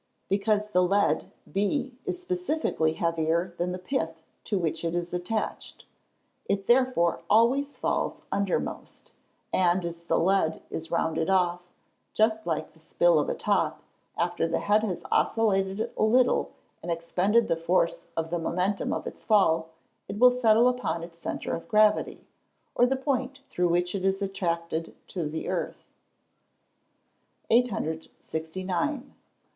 _ Because the lead B is specifically heavier than the pith to which it is attached; it therefore always falls undermost; and as the lead is rounded off, just like the spill of a top, after the head has oscillated a little, and expended the force of the momentum of its fall, it will settle upon its centre of gravity, or the point through which it is attracted to the earth. [Illustration: Fig. 47. PITH TUMBLER.] 869.